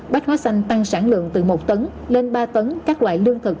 bát hóa xanh tăng sản lượng từ một tấn lên ba tấn các loại lương thực